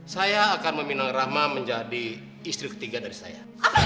saya akan meminang rahma menjadi istri ketiga dari saya